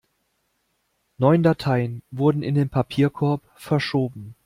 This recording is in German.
Neun Dateien wurden in den Papierkorb verschoben.